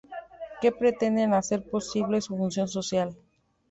que pretenden hacer posible su función social